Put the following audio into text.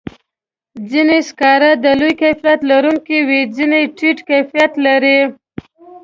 ځینې سکاره د لوړ کیفیت لرونکي وي، ځینې ټیټ کیفیت لري.